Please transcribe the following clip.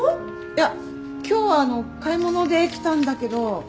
いや今日はあの買い物で来たんだけど。